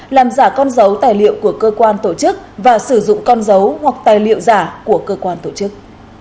làm giả con dấu tài liệu của cơ quan tổ chức và sử dụng con dấu hoặc tài liệu giả của cơ quan tổ chức